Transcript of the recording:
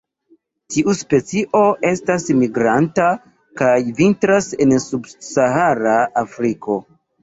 Tiu specio estas migranta, kaj vintras en subsahara Afriko.